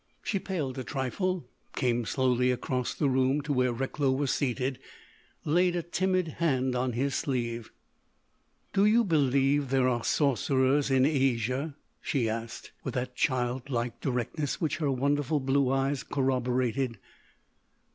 She paled a trifle, came slowly across the room to where Recklow was seated, laid a timid hand on his sleeve. "Do you believe there are sorcerers in Asia?" she asked with that child like directness which her wonderful blue eyes corroborated.